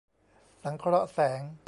สังเคราะห์แสง